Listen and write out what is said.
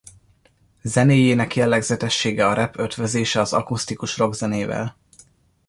Zenéjének jellegzetessége a rap ötvözése az akusztikus rockzenével.